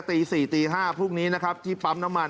ตี๔ตี๕พรุ่งนี้นะครับที่ปั๊มน้ำมัน